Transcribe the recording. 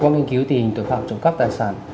quang nghiên cứu tìm tội phạm trộm cắp tài sản